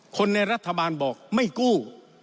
คนในรัฐบาลบอกไม่กู้